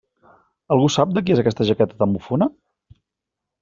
Algú sap de qui és aquesta jaqueta tan bufona?